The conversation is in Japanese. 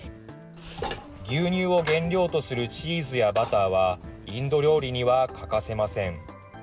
牛乳を原料とするチーズやバターは、インド料理には欠かせません。